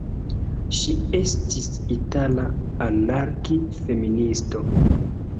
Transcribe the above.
Ŝi estis itala anarki-feministo.